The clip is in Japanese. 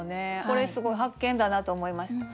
これすごい発見だなと思いました。